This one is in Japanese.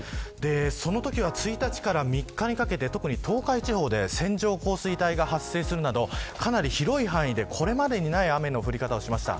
そのときは１日から３日にかけて特に東海地方で線状降水帯が発生するなどかなり広い範囲でこれまでにない雨の降り方をしました。